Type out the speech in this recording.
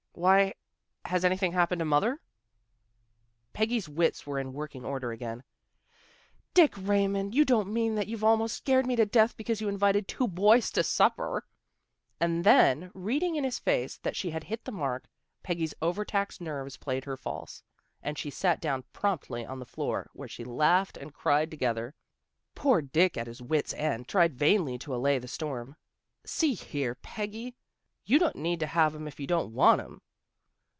Why, has anything happened to mother? " Peggy's wits were in working order again. " Dick Raymond, you don't mean that you've almost scared me to death because you invited two boys to supper! " And then, reading in his face that she had hit the mark, Peggy's overtaxed nerves played her false, and she sat down promptly on the floor, where she laughed and cried together. Poor Dick, at his wit's end, tried vainly to allay the storm. " See here, Peggy. You don't need to have 'em if you don't want 'em."